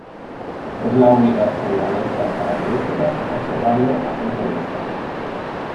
Es la única estrella de estas características observable a simple vista.